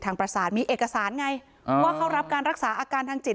ประสานมีเอกสารไงว่าเขารับการรักษาอาการทางจิต